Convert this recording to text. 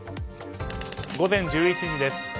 午前１１時です。